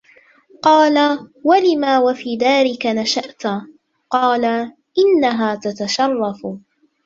قَالَ وَلِمَ وَفِي دَارِك نَشَأَتْ ؟ قَالَ إنَّهَا تَتَشَرَّفُ